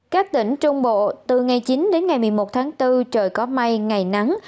các tỉnh trung bộ từ ngày chín đến ngày một mươi một tháng bốn trời có mây ngày nắng